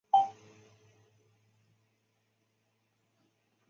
三名官守议员。